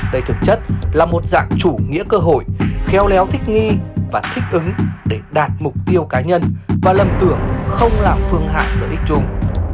đây thực chất là một dạng chủ nghĩa cơ hội khéo léo thích nghi và thích ứng để đạt mục tiêu cá nhân và lầm tưởng không làm phương hạng lợi ích chung